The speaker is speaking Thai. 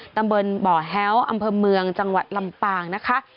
ตำบลบ่อแฮ้วอำเภอเมืองจังหวัดลำปางนะคะ